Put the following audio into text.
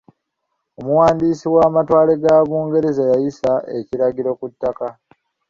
Omuwandiisi w’amatwale ga Bungereza yayisa ekiragiro ku ttaka.